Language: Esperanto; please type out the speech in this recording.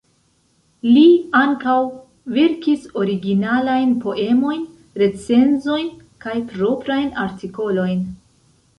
Li ankaŭ verkis originalajn poemojn, recenzojn kaj proprajn artikolojn.